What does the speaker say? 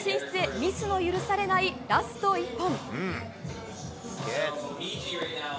ミスの許されないラスト１本。